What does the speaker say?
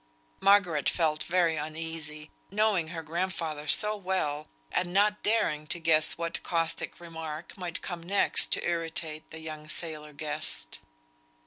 Margaret felt very uneasy, knowing her grandfather so well, and not daring to guess what caustic remark might come next to irritate the young sailor guest.